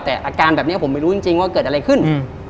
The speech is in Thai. แต่อาการแบบนี้ผมไม่รู้จริงว่าเกิดอะไรขึ้น